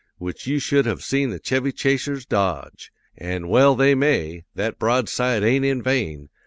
Which you should have seen the Chevy Chasers dodge! An' well they may; that broadside ain't in vain!